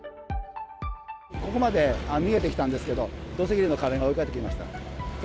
ここまで逃げてきたんですけど、土石流の壁が追いかけてきました。